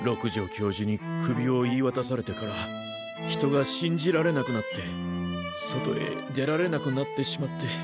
教授にクビを言いわたされてから人が信じられなくなって外へ出られなくなってしまって。